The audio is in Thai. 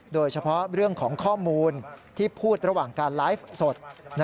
โดยเฉพาะเรื่องของข้อมูลที่พูดระหว่างการไลฟ์สด